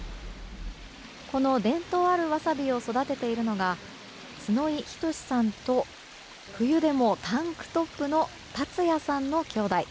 この伝統あるわさびを育てているのが、角井仁さんと冬でもタンクトップの竜也さんの兄弟。